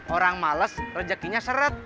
orang males rejekinya seret